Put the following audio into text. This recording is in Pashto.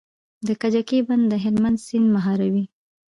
د کجکي بند د هلمند سیند مهاروي